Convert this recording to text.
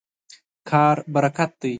کار برکت دی.